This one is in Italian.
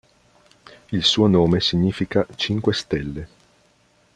Il suo nome significa "Cinque stelle".